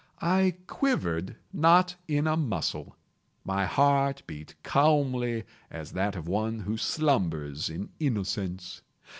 I quivered not in a muscle. My heart beat calmly as that of one who slumbers in innocence.